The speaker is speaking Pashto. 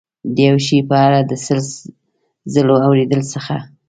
د یو شي په اړه د سل ځلو اورېدلو څخه.